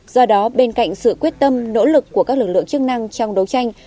do đó bên cạnh sự quyết tâm nỗ lực của các lực lượng chức năng trong đấu tranh